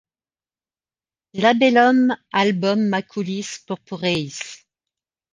Labellum album maculis purpureis.